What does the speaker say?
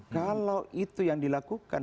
kalau itu yang dilakukan